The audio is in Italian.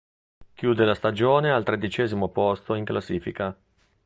Chiude la stagione al tredicesimo posto in classifica.